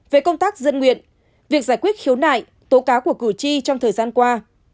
về công tác dân nguyện việc giải quyết khiếu nại tố cáo của cử tri trong thời gian qua